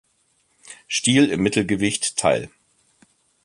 Stil im Mittelgewicht teil.